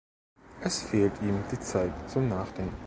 Es fehlt ihm die Zeit zum Nachdenken.